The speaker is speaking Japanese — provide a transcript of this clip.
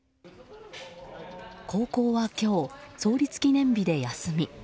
高校は今日、創立記念日で休み。